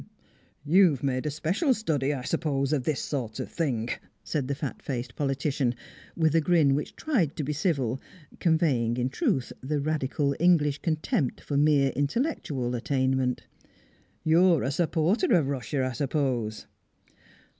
"You've made a special study, I suppose, of this sort of thing," said the fat faced politician, with a grin which tried to be civil, conveying in truth, the radical English contempt for mere intellectual attainment. "You're a supporter of Russia, I suppose?"